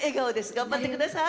頑張ってください。